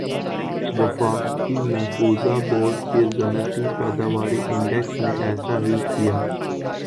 وفاقی محفوظہ بورڈ کے صنعتی پیداواری انڈیکس نے ایسا ہی کِیا